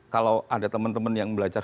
kalau ada temen temen yang belajar